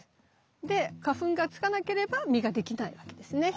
で花粉がつかなければ実ができないわけですね。